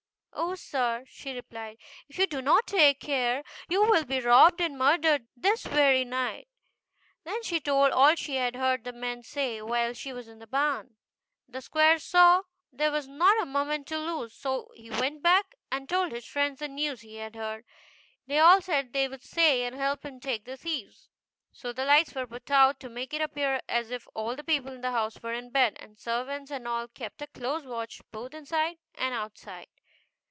"Oh, sir," she replied, "if you do not take care you will be robbed and murdered this very night!" Then she told all she had heard the men say while she was in the barn. The squire saw there was not a moment to lose, so he went back and told his friends the news he had heard. They .all said they would stay and help him take the thieves. So the lights were put out, to make it appear as if all the people in the house were in bed, and servants and all kept a close watch both inside and outside.